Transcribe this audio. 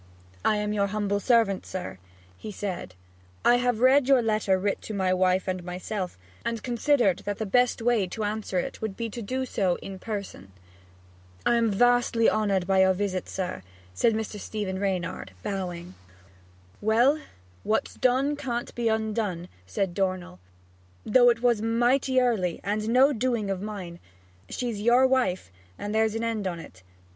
'I am your humble servant, sir,' he said. 'I have read your letter writ to my wife and myself, and considered that the best way to answer it would be to do so in person.' 'I am vastly honoured by your visit, sir,' said Mr. Stephen Reynard, bowing. 'Well, what's done can't be undone,' said Dornell, 'though it was mighty early, and was no doing of mine. She's your wife; and there's an end on't.